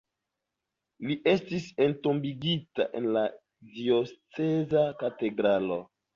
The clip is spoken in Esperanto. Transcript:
Li estis entombigita en la dioceza katedralo.